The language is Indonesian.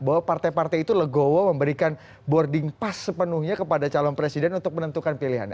bahwa partai partai itu legowo memberikan boarding pass sepenuhnya kepada calon presiden untuk menentukan pilihannya